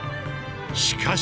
しかし！